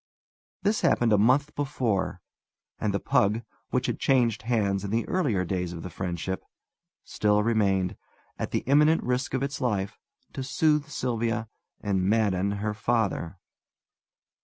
This had happened a month before, and the pug, which had changed hands in the earlier days of the friendship, still remained, at the imminent risk of its life, to soothe Sylvia and madden her father.